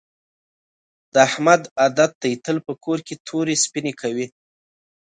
د احمد عادت دې تل په کور کې تورې سپینې کوي.